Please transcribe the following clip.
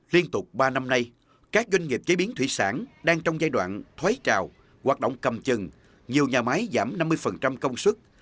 liên tục ba năm nay các doanh nghiệp chế biến thủy sản đang trong giai đoạn thoái trào hoạt động cầm chừng nhiều nhà máy giảm năm mươi công sức